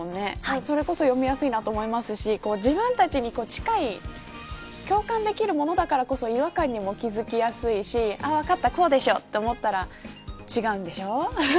それこそ読みやすいと思いますし自分たちに近い共感できるものだからこそ違和感にも気付きやすいし分かった、こうでしょと思ったら違うんでしょ。